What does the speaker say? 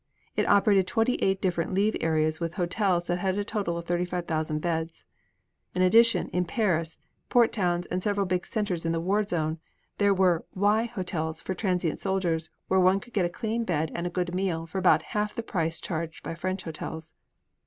It operated twenty eight different leave areas with hotels that had a total of 35,000 beds. In addition, in Paris, port towns, and several big centers in the war zone there were "Y" hotels for transient soldiers where one could get a clean bed and a good meal at about half the price charged by French hotels.